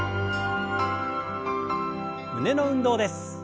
胸の運動です。